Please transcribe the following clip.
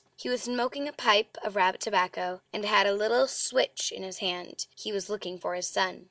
He was smoking a pipe of rabbit tobacco, and had a little switch in his hand. He was looking for his son.